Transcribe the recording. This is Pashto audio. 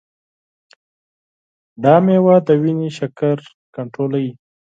دا مېوه د وینې شکر کنټرولوي.